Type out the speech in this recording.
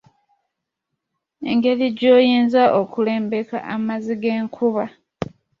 Engeri gy'oyinza okulembeka amazzi g'enkuba.